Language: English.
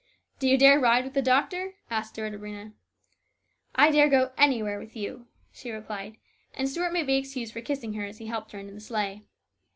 " Do you dare ride with the doctor ?" asked Stuart of Rhena. " I dare go anywhere with you," she replied ; and Stuart may be excused for kissing her as he helped her into the sleigh.